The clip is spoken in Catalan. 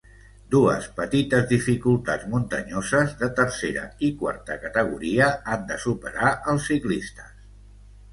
Dues petites dificultats muntanyoses, de tercera i quarta categoria, han de superar els ciclistes.